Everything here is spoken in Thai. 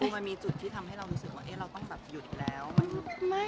คือมันมีจุดที่ทำให้เรารู้สึกว่าเราต้องแบบหยุดแล้วมันไม่